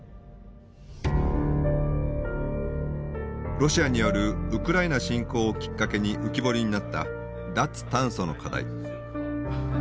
ロシアによるウクライナ侵攻をきっかけに浮き彫りになった脱炭素の課題。